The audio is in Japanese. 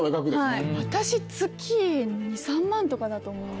私月２３万とかだと思います。